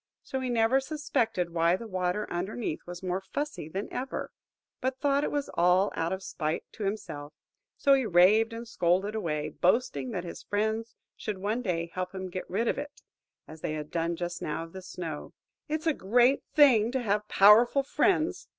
So he never suspected why the water underneath was more fussy than ever, but thought it was all out of spite to himself; so he raved and scolded away; boasting that his friends should one day help him to get rid of it , as they had done just now of the snow. "It's a great thing to have powerful friends!"